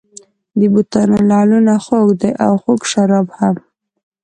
د بتانو لعلونه خوږ دي او خوږ شراب هم.